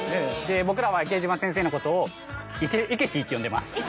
僕らは池島先生のことを池ティーって呼んでます。